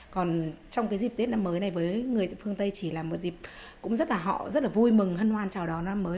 còn trong cái dịp tết năm mới này với người tại phương tây chỉ là một dịp cũng rất là họ rất là vui mừng hân hoan chào đón năm mới